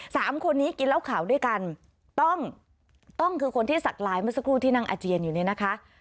สามคนนี้กินเหล้าขาวด้วยกันต้องต้องคือคนที่สักลายเมื่อสักครู่ที่นั่งอาเจียนอยู่เนี่ยนะคะ